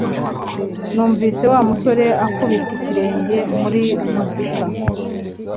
Numvise Wa musore akubita ikirenge muri muzika